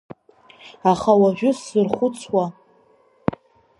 Аха уажәы сзырхәыцуа…